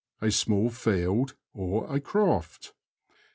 — A small field; a croft.